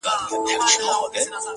کرۍ ورځ ګرځي د کلیو پر مردارو!